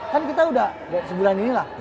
kan kita udah sebulan ini lah